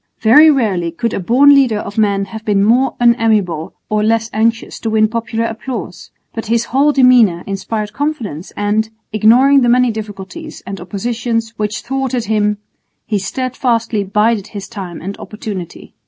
Very rarely could a born leader of men have been more unamiable or less anxious to win popular applause, but his whole demeanour inspired confidence and, ignoring the many difficulties and oppositions which thwarted him, he steadfastly bided his time and opportunity.